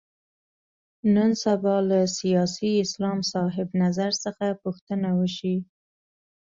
نن سبا له سیاسي اسلام صاحب نظر څخه پوښتنه وشي.